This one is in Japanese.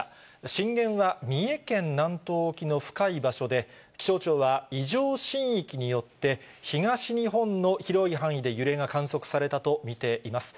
震源は三重県南東沖の深い場所で、気象庁は、異常震域によって東日本の広い範囲で揺れが観測されたと見ています。